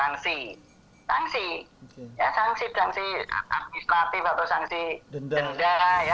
sanksi ya sanksi sanksi administratif atau sanksi denda